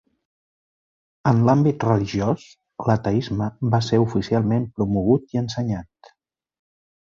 En l'àmbit religiós, l'ateisme va ser oficialment promogut i ensenyat.